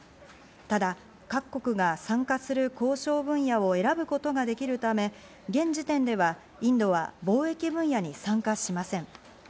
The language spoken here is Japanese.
ただ、各国が参加する交渉分野を選ぶことができるため、現時点ではインドは貿易分野に参加しません。